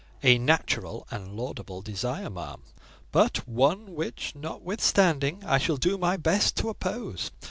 "A natural and laudable desire, ma'am; but one which, notwithstanding, I shall do my best to oppose.